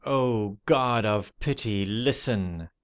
Oh, God of pity, listen